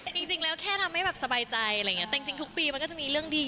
จริงแล้วแค่ทำให้แบบสบายใจอะไรอย่างเงี้แต่จริงทุกปีมันก็จะมีเรื่องดี